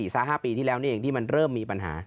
๕๕ปีที่แล้วนี่เองที่มันเริ่มมีปัญหา